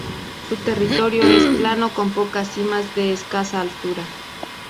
Su territorio es plano con pocas cimas de escasa altura.